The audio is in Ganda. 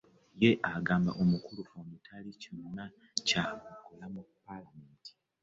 Ye gamba nti omukulu ono talina ky'anona mu ppaalamenti.